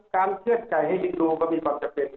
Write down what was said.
การเชื่อชไก่ให้ลิงกูก็มีความจำเป็น